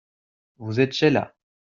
Vous êtes Sheila.